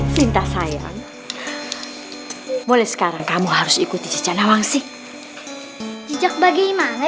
cinta sayang boleh sekarang kamu harus ikuti jejak lawang sih jejak bagaimana